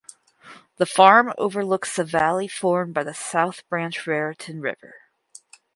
The farm overlooks the valley formed by the South Branch Raritan River.